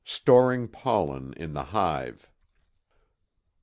STORING POLLEN IN THE HIVE.